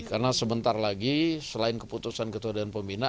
karena sebentar lagi selain keputusan ketua dan pembina